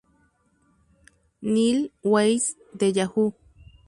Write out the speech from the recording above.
Neal Weiss de Yahoo!